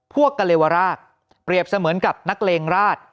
กะเลวราชเปรียบเสมือนกับนักเลงราช